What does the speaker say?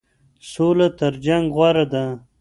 سوله تر جنګ غوره ده.